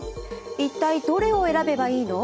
一体どれを選べばいいの？